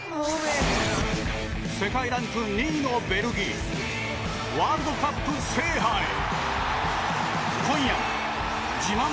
世界ランク２位のベルギーワールドカップ制覇へ。